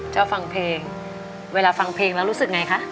ชอบฟังเพลงเวลาฟังเพลงแล้วรู้สึกไงคะ